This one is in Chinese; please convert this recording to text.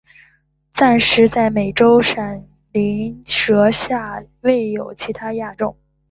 暂时在美洲闪鳞蛇下未有其它亚种。